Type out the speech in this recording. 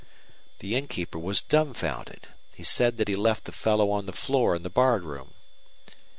The innkeeper was dumfounded. He said that he left the fellow on the floor in the bar room.